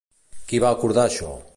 Qui va acordar això?